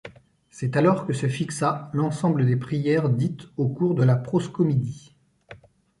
C'est alors que se fixa l'ensemble des prières dites au cours de la proscomidie.